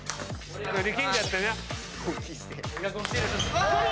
力んじゃってな。